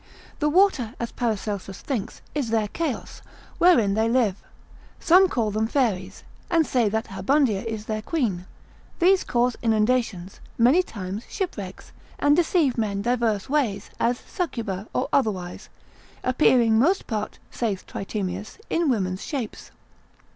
The water (as Paracelsus thinks) is their chaos, wherein they live; some call them fairies, and say that Habundia is their queen; these cause inundations, many times shipwrecks, and deceive men divers ways, as Succuba, or otherwise, appearing most part (saith Tritemius) in women's shapes.